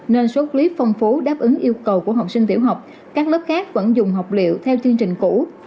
nên số clip phong phú đáp ứng yêu cầu của học sinh tiểu học các lớp khác vẫn dùng học liệu theo chương trình cũ